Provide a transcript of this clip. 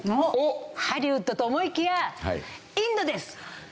ハリウッドと思いきやインドです！